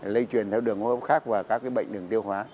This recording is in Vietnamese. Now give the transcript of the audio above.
lây truyền theo đường hô hấp khác và các bệnh đường tiêu hóa